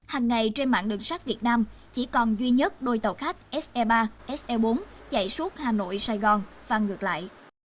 hằng ngày trên mạng đường sắt việt nam chỉ còn duy nhất đôi tàu khách se ba se bốn chạy suốt hà nội sài gòn phan ngược lại